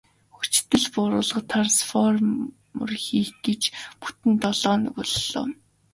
Хүчдэл бууруулах трансформатор хийх гэж бүтэн долоо хоног боллоо.